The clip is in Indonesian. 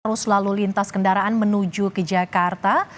arus lalu lintas kendaraan menuju ke jakarta